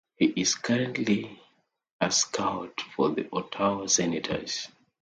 He is currently a scout for the Ottawa Senators.